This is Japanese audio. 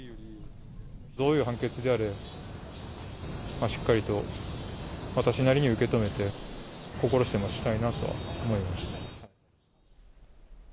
どういう判決であれ、しっかりと私なりに受け止めて、心して待ちたいなと思います。